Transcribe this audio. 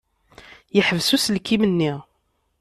Yeḥbes uselkim-nni.